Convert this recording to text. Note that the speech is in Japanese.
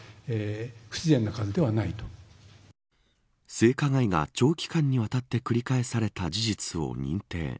性加害が長期間にわたって繰り返された事実を認定。